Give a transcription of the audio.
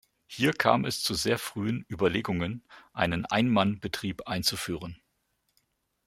Hier kam es zu sehr frühen Überlegungen, einen Ein-Mann-Betrieb einzuführen.